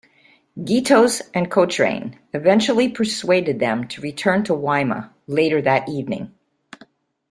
Gittos and Cochrane eventually persuaded them to return to Waima later that evening.